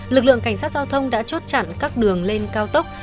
lực lượng cảnh sát giao thông đã chốt chặn các đường lên cao tốc